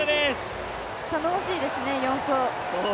頼もしいですね、４走。